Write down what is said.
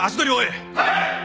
はい！